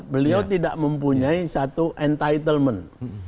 beliau tidak mempunyai satu entitlement